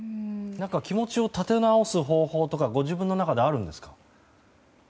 気持ちを立て直す方法とかご自分の中であるんですか？